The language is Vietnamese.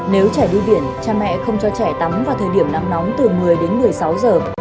nếu trẻ đi biển cha mẹ không cho trẻ tắm vào thời điểm nắng nóng từ một mươi đến một mươi sáu giờ